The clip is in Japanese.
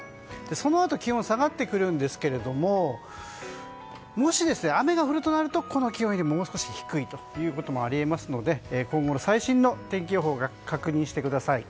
そのあと気温は下がってくるんですけどもし雨が降るとなるとこの気温よりもう少し低いこともあり得ますので今後の最新の天気予報を確認してください。